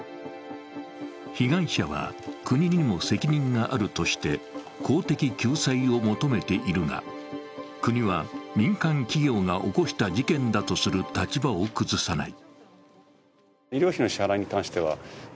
被害者は、国にも責任があるとして公的救済を求めているが国は民間企業が起こした事件だとする立場を崩さない。